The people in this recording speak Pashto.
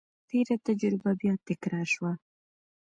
تېره تجربه بیا تکرار شوه.